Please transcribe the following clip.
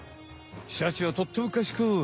シャチはとってもかしこい！